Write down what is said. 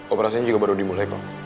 operasinya juga baru dimulai kang